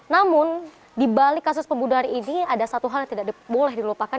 namun di balik kasus pembunuhan ini ada satu hal yang tidak boleh dilupakan